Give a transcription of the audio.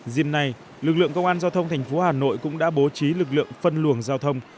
dìm nay lực lượng công an giao thông thành phố hà nội cũng đã bố trí lực lượng phân luồng giao thông